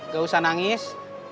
gak usah nangis